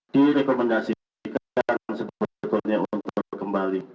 direkomendasikan sebetulnya untuk kembali